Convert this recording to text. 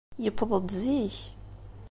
Yewweḍ-d zik.